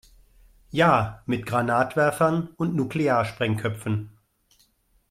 Ja, mit Granatwerfern und Nuklearsprengköpfen.